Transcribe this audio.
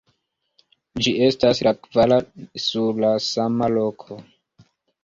Ĝi estas la kvara sur la sama loko.